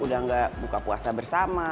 udah nggak buka puasa bersama